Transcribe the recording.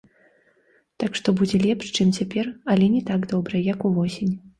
Так што будзе лепш, чым цяпер, але не так добра, як увосень.